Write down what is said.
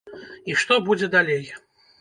І што будзе далей?